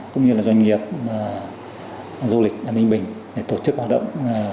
cũng như doanh nghiệp du lịch ninh bình để tổ chức hoạt động